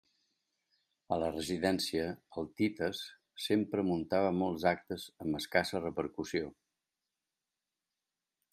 A la residència, el Tites sempre muntava molts actes amb escassa repercussió.